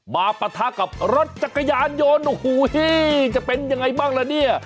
มาปะทะกับรถจักรยานโยนโอ้โฮจะเป็นอย่างไรบ้างล่ะนี่